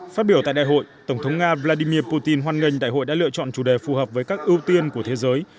phát biểu tại đại hội tổng thống nga vladimir putin hoan nghênh đại hội đã lựa chọn chủ đề phù hợp với các ưu tiên của thế giới